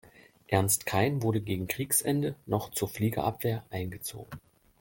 Ernst Kein wurde gegen Kriegsende noch zur Fliegerabwehr eingezogen.